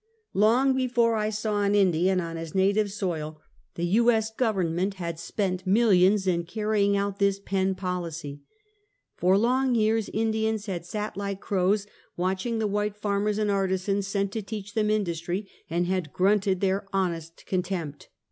Long before I saw an Indian on his native soil, the U. S. Government had spent millions in carrying out this Penn policy. For long years, Indians had sat like crows, watching the white farmers and artisans sent to teach them industry, and had grunted their hon est contempt.